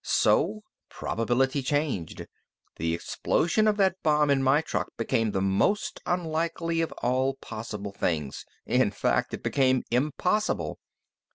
So probability changed. The explosion of that bomb in my truck became the most unlikely of all possible things. In fact, it became impossible.